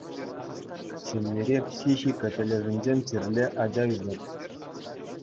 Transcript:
Ҫемьере психика тӗлӗшӗнчен чирлӗ ача ӳсет.